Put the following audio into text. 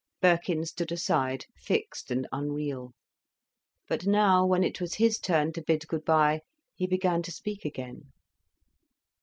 Birkin stood aside, fixed and unreal. But now, when it was his turn to bid good bye, he began to speak again.